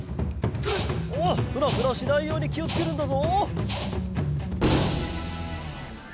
おっフラフラしないようにきをつけるんだぞ。